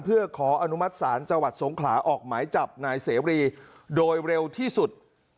เพื่อขออนุมัติศาลจังหวัดสงขลาออกหมายจับนายเสรีโดยเร็วที่สุด